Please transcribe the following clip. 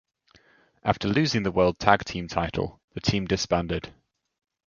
After losing the World Tag Team title, the team disbanded.